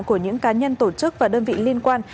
của những cá nhân tổ chức và đơn vị liên quan